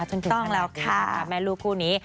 จนถึงขนาดนี้นะคะแม่ลูกคู่นี้ต้องแล้วค่ะ